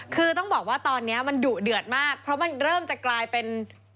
คือต้องบอกว่าตอนนี้มันดุเดือดมากเพราะมันเริ่มจะกลายเป็น